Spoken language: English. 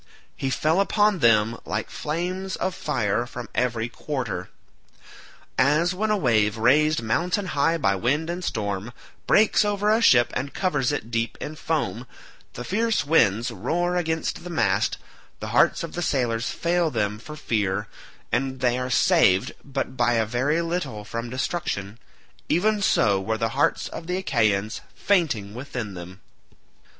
He fell upon them like flames of fire from every quarter. As when a wave, raised mountain high by wind and storm, breaks over a ship and covers it deep in foam, the fierce winds roar against the mast, the hearts of the sailors fail them for fear, and they are saved but by a very little from destruction—even so were the hearts of the Achaeans fainting within them.